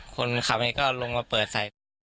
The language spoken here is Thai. คนขับเองก็ลงมาเปิดใส่ผม